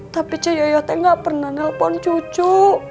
tapi ce yoyo itu gak pernah telpon cucu